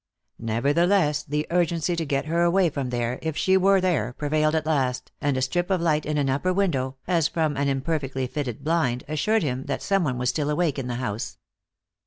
Nevertheless, the urgency to get her away from there, if she were there, prevailed at last, and a strip of light in an upper window, as from an imperfectly fitting blind, assured him that some one was still awake in the house.